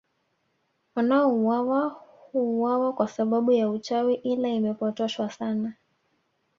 Wanaouwawa huuwawa kwa sababu ya uchawi ila imepotoshwa sana